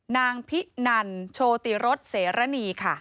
นางพินันโชติรสเสรณีค่ะ